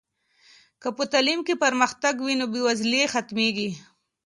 که په تعلیم کې پرمختګ وي نو بې وزلي ختمېږي.